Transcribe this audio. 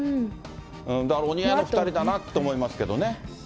だからお似合いの２人だなと思いますけどね。